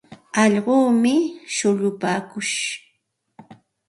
Allquumi shullupaakush.